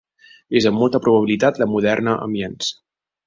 És amb molta probabilitat la moderna Amiens.